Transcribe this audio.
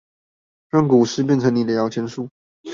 讓股市變成你的搖錢樹